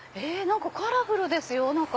カラフルですよ中！